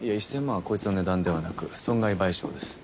１０００万はこいつの値段ではなく損害賠償です。